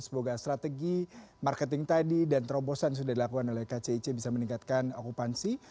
semoga strategi marketing tadi dan terobosan sudah dilakukan oleh kcic bisa meningkatkan okupansi